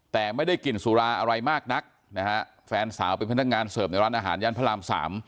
แต่ไม่ได้กลิ่นสุราอะไรมากนักนะฮะแฟนสาวเป็นพนักงานเสิร์ฟในร้านอาหารย่านพระรามสาม